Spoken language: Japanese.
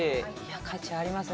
価値がありますね。